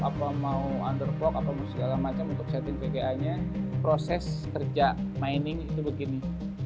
apa mau underplock apa mau segala macam untuk setting pga nya proses kerja mining itu begini